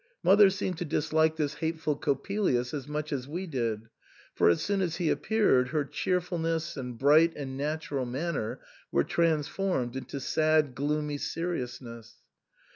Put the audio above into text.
Mother seemed to dislike this hateful Coppelius as much as we did ; for as soon as he appeared her cheerfulness and bright and natural manner were trans formed into sad, gloomy seriousness.